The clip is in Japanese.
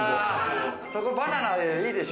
そこ、バナナでいいでしょ！